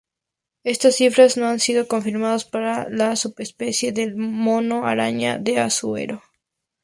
Estas cifras no han sido confirmadas para la subespecie del mono araña de Azuero.